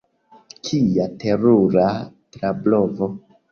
Kia terura trablovo!